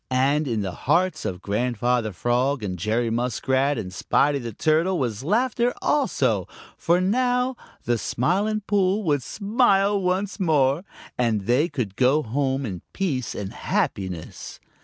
And in the hearts of Grandfather Frog and Jerry Muskrat and Spotty the Turtle was laughter also, for now the Smiling Pool would smile once more, and they could go home in peace and happiness.